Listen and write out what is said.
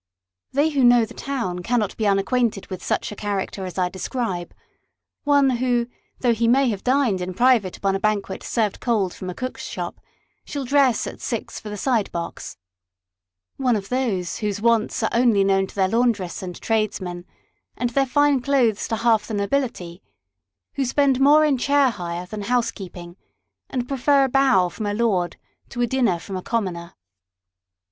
They who know the town cannot be unacquainted with such a character as I describe ; one, who though he may have dined in private upon a banquet served cold from a cook's shop, shall dress at six for the side box ; one of those, whose wants are only known to their laundress and tradesmen, and their fine clothes to half the nobility ; who spend more in chair hire than housekeeping, and prefer a bow from a lord to a dinner from a commoner.